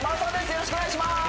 よろしくお願いします